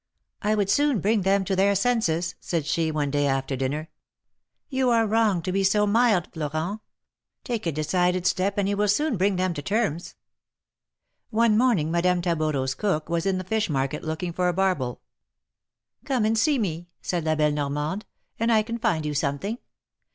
" I would soon bring them to their senses !" said she, one day after dinner. "You are wrong to be so mild, Florent. Take a decided step, and you will soon bring them to terms." One morning Madame Taboureau's cook was in the fish market looking for a barbel. " Come and see me," said La belle Normande, " and I can find you something.